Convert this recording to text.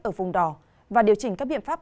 ở vùng đỏ và điều chỉnh các biện pháp